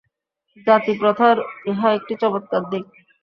জাতিপ্রথার ইহা একটি চমৎকার দিক।